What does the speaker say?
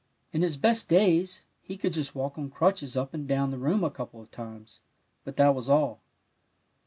In his best days, he could just walk on crutches up and down the room a couple of times, but that was all.